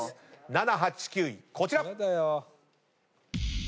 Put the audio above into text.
７８９位こちら！